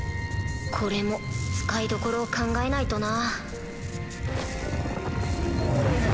これも使いどころを考えないとな。